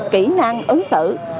kỹ năng ứng xử